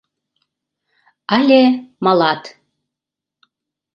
— Але малат.